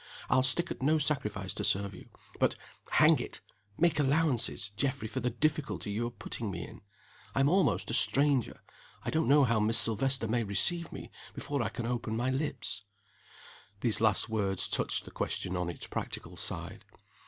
I'll stick at no sacrifice to serve you; but hang it! make allowances, Geoffrey, for the difficulty you are putting me in. I am almost a stranger; I don't know how Miss Silvester may receive me, before I can open my lips." Those last words touched the question on its practical side.